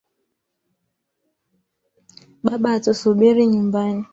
Baba atusubiri nyumbani.